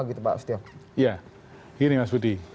jadi itu yang saya ingatkan